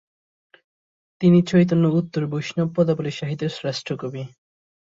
তিনি চৈতন্য-উত্তর বৈষ্ণব পদাবলী সাহিত্যের শ্রেষ্ঠ কবি।